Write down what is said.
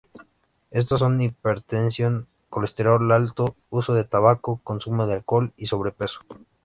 Estos son hipertensión, colesterol alto, uso de tabaco, consumo de alcohol y sobrepeso.